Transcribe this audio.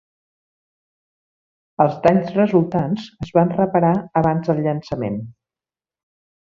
Els danys resultants es van reparar abans del llançament.